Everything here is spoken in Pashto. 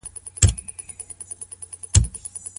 اسلام موږ ته د انتخاب معيارونه څنګه ښوولي دي؟